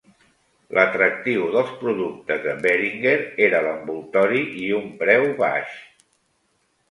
L'atractiu dels productes de Behringer era l'envoltori i un preu baix.